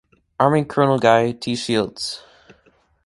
Army Colonel Guy T. Shields.